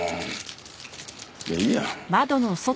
じゃあいいや。